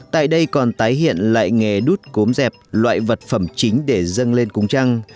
tại đây còn tái hiện lại nghề đút cốm dẹp loại vật phẩm chính để dâng lên cúng trăng